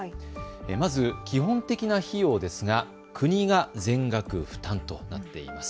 まず基本的な費用ですが、国が全額負担となっています。